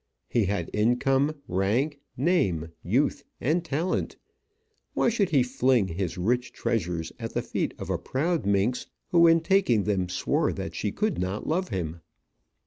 He had income, rank, name, youth, and talent. Why should he fling his rich treasures at the feet of a proud minx who in taking them swore that she could not love him?